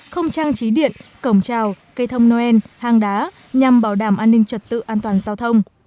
không trang trí điện cổng trào cây thông noel hang đá nhằm bảo đảm an ninh trật tự an toàn giao thông